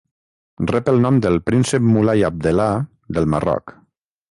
Rep el nom del príncep Moulay Abdellah del Marroc.